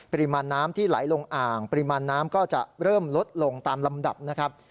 ปริมาณน้ำที่ไหลลงอ่างปริมาณน้ำก็จะเริ่มลดลงตามลำดับนะครับ